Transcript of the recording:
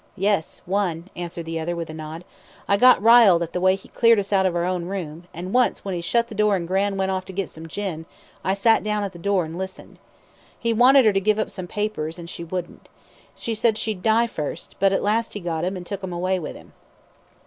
"Yes one," answered the other, with a nod. "I got riled at the way he cleared us out of our own room; and once, when he shut the door and Gran' went off to get some gin, I sat down at the door and listened. He wanted her to give up some papers, an' she wouldn't. She said she'd die first; but at last he got 'em, and took 'em away with him."